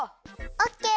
オッケー！